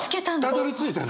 たどりついたの？